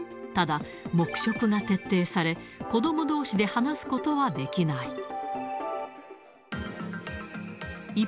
ただ黙食が徹底され、子どもどうしで話すことはできない。